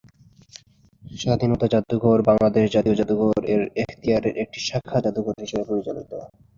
স্বাধীনতা জাদুঘর বাংলাদেশ জাতীয় জাদুঘর এর এখতিয়ারে একটি শাখা জাদুঘর হিসাবে পরিচালিত।